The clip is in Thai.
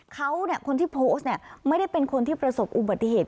เขาเนี่ยคนที่โพสต์เนี่ยไม่ได้เป็นคนที่ประสบอุบัติเหตุ